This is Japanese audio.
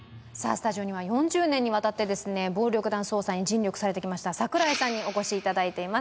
スタジオには４０年にわたってですね暴力団捜査に尽力されてきました櫻井さんにお越しいただいています